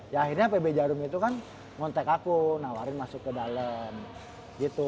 ya akhirnya pb jarum itu kan ngontek aku nawarin masuk ke dalam gitu